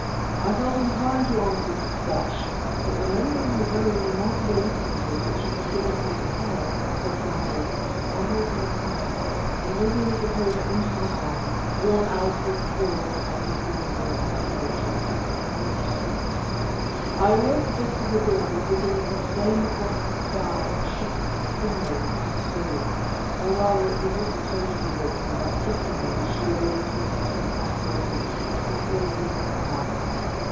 I felt inclined to answer "bosh!" but remembering the very remarkable instances which he had given of his prowess in occult matters I held my tongue, and taking little Tota into my arms, worn out with toil and danger and emotion, I went to sleep. I awoke just as the dawn was beginning to flame across the sky in sheets of primrose and of gold, or rather it was little Tota who woke me by kissing me as she lay between sleep and waking, and calling me "papa."